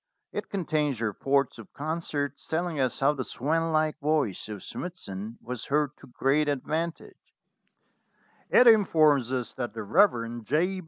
It contains reports of concerts telling us how the swan like voice of Smithson was heard to great advantage; it informs us that the Rev. J.